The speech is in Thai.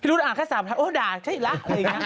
พี่รุ๊ตอ่านแค่สามทายโอ้โฮด่าใช่แล้วอะไรอย่างนี้